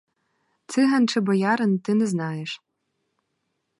Циган чи боярин — ти не знаєш.